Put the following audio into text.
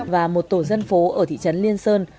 và một tổ dân phố ở thị trấn liên sơn